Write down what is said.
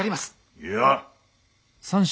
いや。